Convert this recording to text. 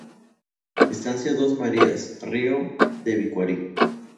Estancia Dos Marías, río Tebicuary